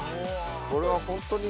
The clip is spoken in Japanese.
これはホントに。